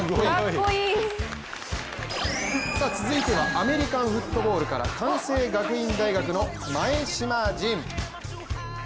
続いてはアメリカンフットボールから、関西学院大学の前島仁。